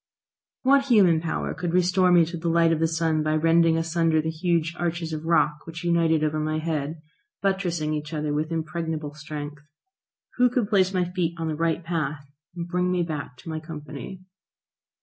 What human power could restore me to the light of the sun by rending asunder the huge arches of rock which united over my head, buttressing each other with impregnable strength? Who could place my feet on the right path, and bring me back to my company?